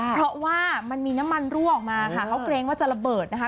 เพราะว่ามันมีน้ำมันรั่วออกมาค่ะเขาเกรงว่าจะระเบิดนะคะ